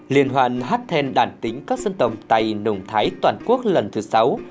liên hoan hát then đàn tính các dân tộc tây nùng thái toàn quốc lần thứ sáu